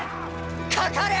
かかれ！